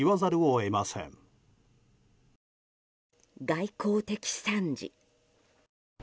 外交的惨事。